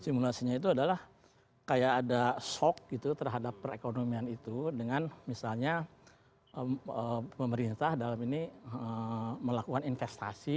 simulasinya itu adalah kayak ada shock gitu terhadap perekonomian itu dengan misalnya pemerintah dalam ini melakukan investasi